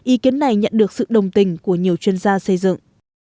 ý kiến này nhận được sự đồng tình của nhiều chuyên gia xây dựng